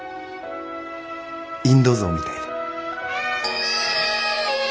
インド象みたいで。